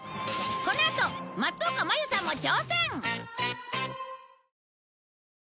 このあと松岡茉優さんも挑戦！